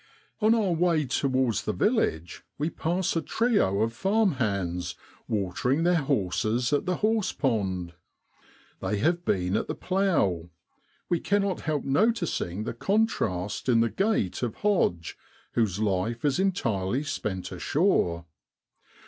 On our way towards the village we pass a trio of farm hands watering their horses at the horsepond. They have been at the plough. We cannot help noticing 124 NOVEMBER IN BROADLAND. the contrast in the gait of Hodge, whose life is entirely spent ashore.